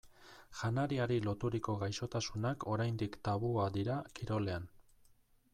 Janariari loturiko gaixotasunak oraindik tabua dira kirolean.